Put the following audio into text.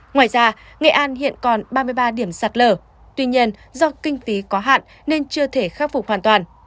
ngoài ra nghệ an hiện còn ba mươi ba điểm sạt lở tuy nhiên do kinh phí có hạn nên chưa thể khắc phục hoàn toàn